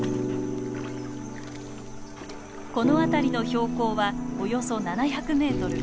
この辺りの標高はおよそ７００メートル。